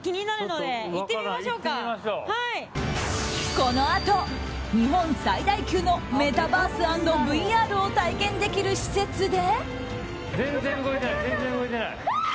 このあと、日本最大級のメタバース＆ＶＲを体験できる施設で。